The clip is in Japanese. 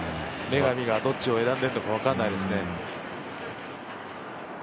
女神がどっちを選んでるのか分からないですね。